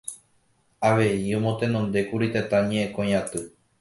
Avei omotenondékuri Tetã Ñe'ẽkõi Aty